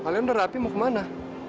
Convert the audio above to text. kalian udah rapi mau kemana